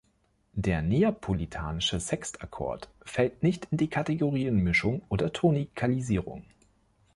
Der Neapolitanische Sextakkord fällt nicht in die Kategorien Mischung oder Tonikalisierung.